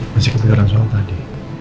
masih ketegaran soal tadi